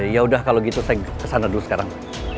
ya udah kalau gitu saya ke sana dulu sekarang